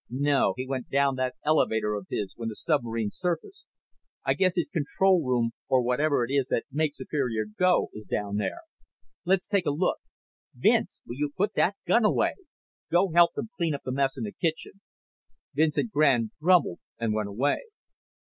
"No. He went down that elevator of his when the submarine surfaced. I guess his control room, or whatever it is that makes Superior go, is down there. Let's take a look. Vince, will you put that gun away? Go help them clean up the mess in the kitchen." Vincent Grande grumbled and went away.